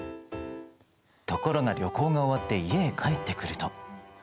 ところが旅行が終わって家へ帰ってくると。